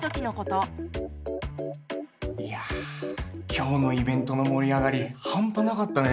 いやぁ今日のイベントの盛り上がりハンパなかったね！